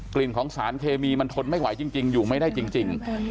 กลิ่นของสารเคมีมันทนไม่ไหวจริงจริงอยู่ไม่ได้จริงจริง